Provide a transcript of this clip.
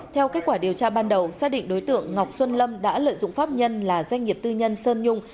theo kết quả điều tra ban đầu xác định đối tượng ngọc xuân lâm đã lợi dụng pháp nhân là doanh nghiệp tư nhân sơn nhung